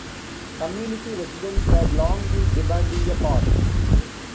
Community residents had long been demanding a park.